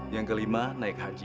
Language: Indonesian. yang kelima naik haji